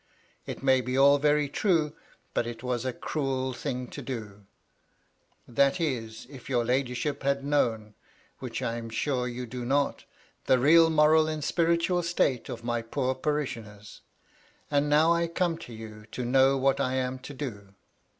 It may be all very true ; but it was a cruel MY LADY LUDLOW. 235 thing to do, — ^that is, if your ladyship had known (which I am sure you do not) the real moral and spiri tual state of my poor parishioners. And now I come to you to know what I am to do?